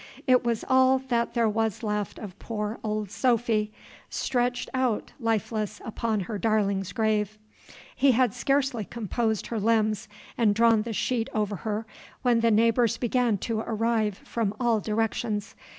It was all that there was left of poor Old Sophy, stretched out lifeless, upon her darling's grave. He had scarcely composed her limbs and drawn the sheet over her, when the neighbors began to arrive from all directions.